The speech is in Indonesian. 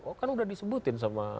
oh kan udah disebutin sama